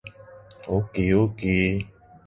Why is there no written constitution in Great Britain?